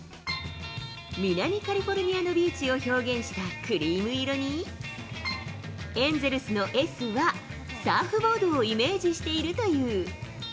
南カリフォルニアのビーチを表現したクリーム色に、ＡＮＧＥＬＳの「Ｓ」は、サーフボードをイメージしているという。